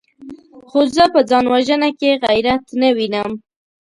خو زه په ځان وژنه کې غيرت نه وينم!